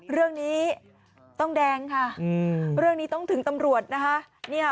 เรื่องนี้ต้องแดงค่ะเรื่องนี้ต้องถึงตำรวจนะคะ